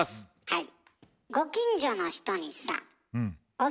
はい。